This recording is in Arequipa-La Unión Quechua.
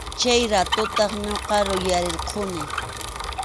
Chay ratutaq ñuqa yuyarirquni.